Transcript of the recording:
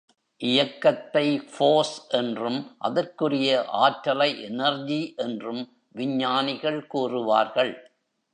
இயக்கத்தை ஃபோர்ஸ் என்றும், அதற்குரிய ஆற்றலை எனர்ஜி என்றும் விஞ்ஞானிகள் கூறுவார்கள்.